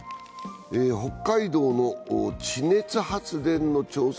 北海道の地熱発電の調査